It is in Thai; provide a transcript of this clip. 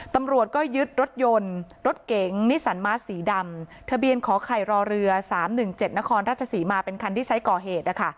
ตำรวจก็ยึดรถยนต์รถเก๋งนิสันมาสสีดำทะเบียนขอไข่รอเรือ๓๑๗นครราชศรีมาเป็นคันที่ใช้ก่อเหตุนะคะ